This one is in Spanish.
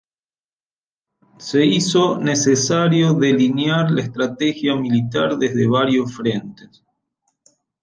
Se hizo necesario delinear la estrategia militar desde varios frentes.